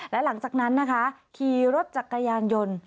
และหลังจากนั้นนะคะขี่รถจักรยานยนต์